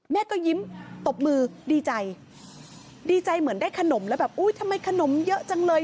แม่ก็ยิ้มตบมือดีใจดีใจเหมือนได้ขนมแล้วแบบอุ้ยทำไมขนมเยอะจังเลย